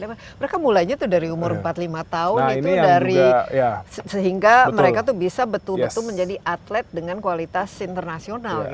mereka mulainya tuh dari umur empat puluh lima tahun itu dari sehingga mereka tuh bisa betul betul menjadi atlet dengan kualitas internasional